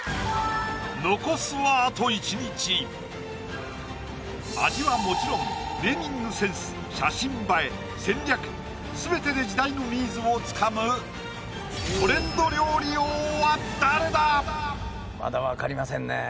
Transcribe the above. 残すはあと１日味はもちろんネーミングセンス写真映え・戦略全てで時代のニーズをつかむトレンド料理王は誰だ⁉まだ分かりませんねねぇ